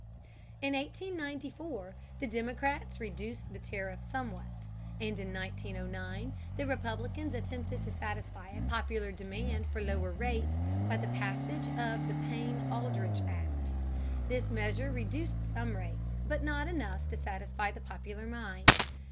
In 1894 the Democrats reduced the tariff somewhat, and in 1909 the Republicans attempted to satisfy a popular demand for lower rates by the passage of the Payne Aldrich Act. This measure reduced some rates, but not enough to satisfy the popular mind.